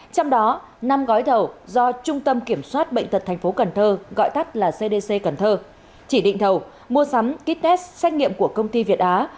trong đó năm gói thầu do trung tâm kiểm soát bệnh tật tp cn gọi tắt là cdc cần thơ chỉ định thầu mua sắm kýt test xét nghiệm của công ty việt á